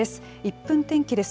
１分天気です。